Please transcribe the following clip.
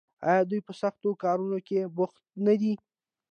آیا دوی په سختو کارونو کې بوخت نه دي؟